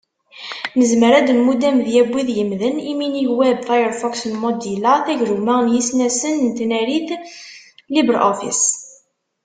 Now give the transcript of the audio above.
Nezmer ad d-nmudd amedya n wid yemmden: Iminig Web Firefox n Mozilla, tagrumma n yisnasen n tnarit LibreOffice.